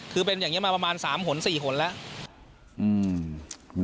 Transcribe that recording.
คือเป็นอย่างนี้มาประมาณ๓หน๔หนแล้ว